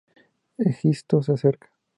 Egisto se acerca.